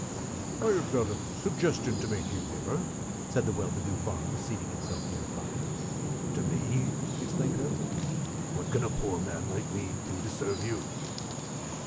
"I have got a suggestion to make to you, neighbor," said the well to do farmer, seating himself near the fire. "To me!" exclaimed Hirzel. "What can a poor man like me do to serve you?"